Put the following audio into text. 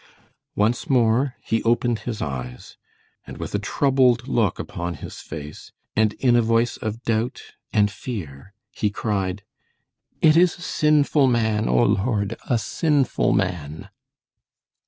Once more he opened his eyes, and with a troubled look upon his face, and in a voice of doubt and fear, he cried: "It is a sinful man, O Lord, a sinful man."